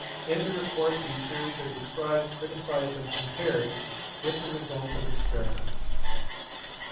In the report these theories are described, criticized, and compared with the results of experiments.